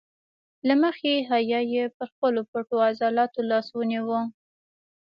له مخې حیا یې پر خپلو پټو عضلاتو لاس ونیو.